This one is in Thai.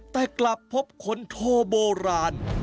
แต่กลับพบขนโทโบราณ